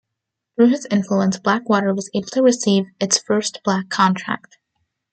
Through his influence, Blackwater was able to receive its first black contract.